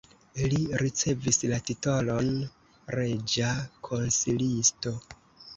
Li ricevis la titolon reĝa konsilisto.